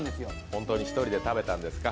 本当に１人で食べたんですか？